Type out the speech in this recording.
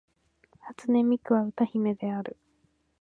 初音ミクは歌姫である